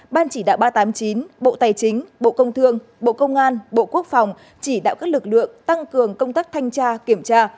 ban chỉ đạo ba trăm tám mươi chín bộ tài chính bộ công thương bộ công an bộ quốc phòng chỉ đạo các lực lượng tăng cường công tác thanh tra kiểm tra